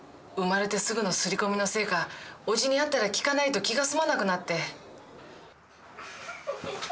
産まれてすぐの刷り込みのせいか叔父に会ったら聞かないと気が済まなくなって。